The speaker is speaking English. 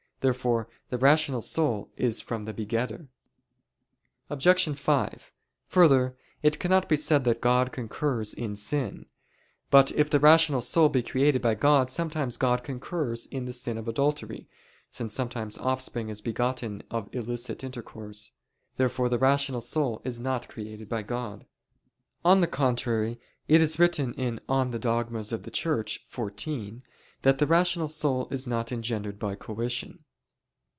Therefore the rational soul is from the begetter. Obj. 5: Further, it cannot be said that God concurs in sin. But if the rational soul be created by God, sometimes God concurs in the sin of adultery, since sometimes offspring is begotten of illicit intercourse. Therefore the rational soul is not created by God. On the contrary, It is written in De Eccl. Dogmat. xiv that "the rational soul is not engendered by coition."